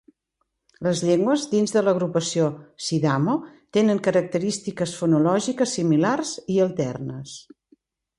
Les llengües dins de l'agrupació "sidamo" tenen característiques fonològiques similars i alternes.